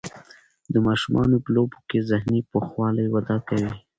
د ماشومانو په لوبو کې ذهني پوخوالی وده کوي.